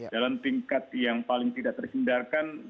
dalam tingkat yang paling tidak terhindarkan